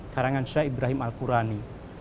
karangan syah ibrahim al qurani